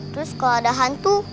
terus kalau ada hantu